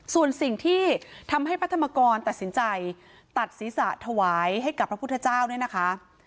ส่วนสิ่งที่ทำให้พระธรรมกรตัดสินใจตัดศีรษะถวายให้กับพระพุทธเจ้าเนี่ยนะคะ